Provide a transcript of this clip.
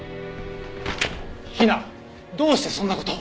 陽菜どうしてそんな事を！